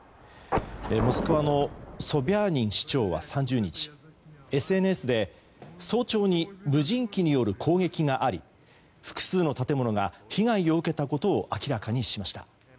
モスクワのソビャーニン市長は３０日ＳＮＳで早朝に無人機による攻撃があり複数の建物が被害を受けたことを明らかにしました。